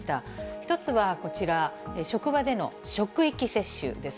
１つはこちら、職場での職域接種です。